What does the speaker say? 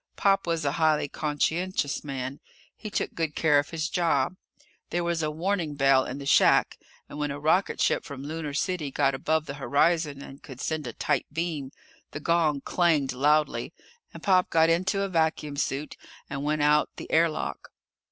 Pop was a highly conscientious man. He took good care of his job. There was a warning bell in the shack, and when a rocketship from Lunar City got above the horizon and could send a tight beam, the gong clanged loudly, and Pop got into a vacuum suit and went out the air lock.